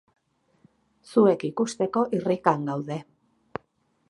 Zuek ikusteko irrikan gaude.